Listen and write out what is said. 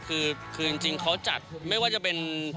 คือจริงเขาจัดไม่ว่าจะเป็น